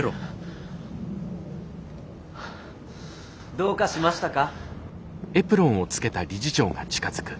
どうかしましたか？